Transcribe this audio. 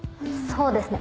そうですね。